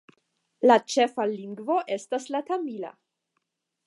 La ĉefa lingvo estas la tamila.